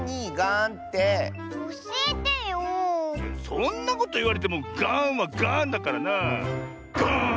そんなこといわれてもガーンはガーンだからなあ。ガーン！